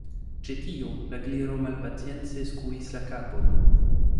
Ĉe tio, la Gliro malpacience skuis la kapon.